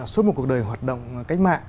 suốt một cuộc đời hoạt động cách mạng